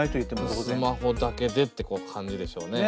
スマホだけでって感じでしょうね。